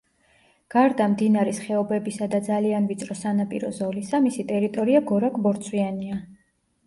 გარდა მდინარის ხეობებისა და ძალიან ვიწრო სანაპირო ზოლისა, მისი ტერიტორია გორაკ-ბორცვიანია.